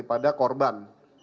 ini adalah korban